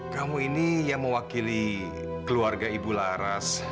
kamu ini yang mewakili keluarga ibu laras